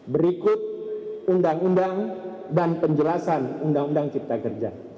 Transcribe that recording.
berikut undang undang dan penjelasan undang undang cipta kerja